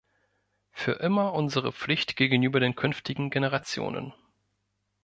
Für immer unsere Pflicht gegenüber den künftigen Generationen.